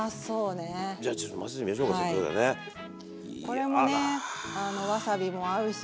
これもねわさびも合うし